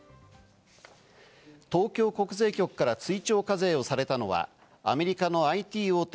東京国税局から追徴課税をされたのは、アメリカのＩＴ大手